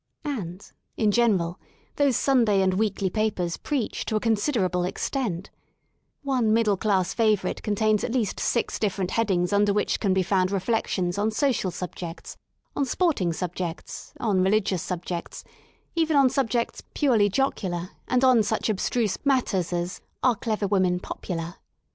And, in general, those Sunday and Weekly Papers preach to a considerable extent* One middle class favourite contains at least six difi'erent headings under which can be found reflections on social subjects, on sporting subjects, on religious subjects, even on sub jects purely jocular and on such abstruse matters as 137 THE SOUL OF LONDON I '* Are Clever Women Popular?